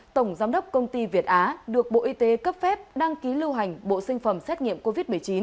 tổng giám đốc công ty việt á được bộ y tế cấp phép đăng ký lưu hành bộ sinh phẩm xét nghiệm covid một mươi chín